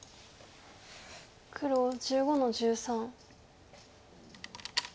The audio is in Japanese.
黒１５の十三。